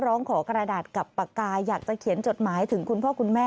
ร้องขอกระดาษกับปากกายอยากจะเขียนจดหมายถึงคุณพ่อคุณแม่